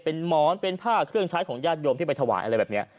เป็นหมอนเป็นผ้าเครื่องใช้ของญาติโยมที่ไปถวายอะไรแบบนี้